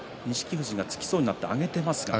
富士がつきそうになって上げていますね。